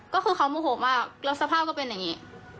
ก็คือเขาโมโหมากแล้วสภาพก็เป็นอย่างนี้